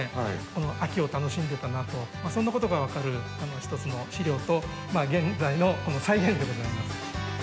この秋を楽しんでいたなとそんなことが分かる一つの資料と現在の再現でございます。